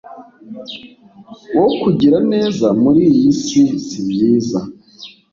wo kugira neza muri iyi si sibyiza